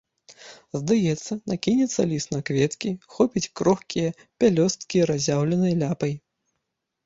Здаецца, накінецца ліс на кветкі, хопіць крохкія пялёсткі разяўленай ляпай.